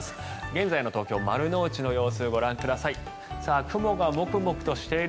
現在の東京・丸の内の様子ご覧ください。